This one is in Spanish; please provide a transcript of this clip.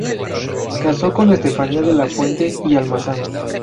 Casó con Estefanía de la Fuente y Almazán.